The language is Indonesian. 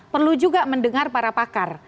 perlu juga mendengar para pakar